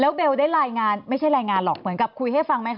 เบลได้รายงานไม่ใช่รายงานหรอกเหมือนกับคุยให้ฟังไหมคะ